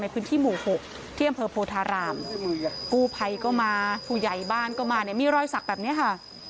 ในพื้นที่หมู่หกเที่ยงบริษัทโพธารามผู้ไพก็มาผู้ใหญ่บ้านก็มามีรอยศักดิ์แบบนี้ค่ะ